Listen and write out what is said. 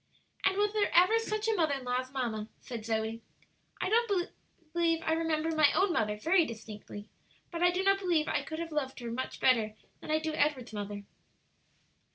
"And was there ever such a mother in law as mamma?" said Zoe. "I don't remember my own mother very distinctly, but I do not believe I could have loved her much better than I do Edward's mother."